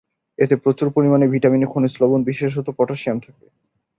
এতে প্রচুর পরিমাণে ভিটামিন ও খনিজ লবণ, বিশেষত পটাশিয়াম থাকে।